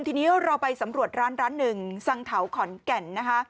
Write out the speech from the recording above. ทีนี้เราไปสำรวจร้านร้านหนึ่งสังเถาขอนแก่นนะคะ